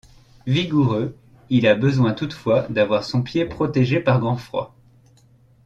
Vigoureux, il a besoin toutefois d'avoir son pied protégé par grand froid.